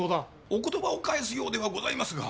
お言葉を返すようではございますが。